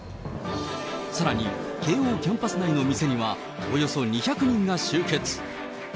さらに慶応キャンパス内の店には、およそ２００人が集結。